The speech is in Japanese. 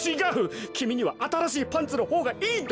きみにはあたらしいパンツのほうがいいんだ。